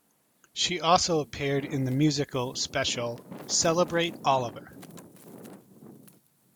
She also appeared in the musical special Celebrate Oliver!